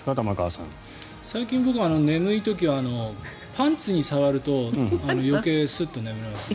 最近、僕、眠い時はパンツに触ると余計、すっと眠れますね。